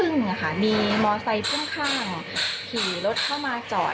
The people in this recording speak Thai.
๔๓๐นมีมอสไซพึ่งข้างขี่รถเข้ามาจอด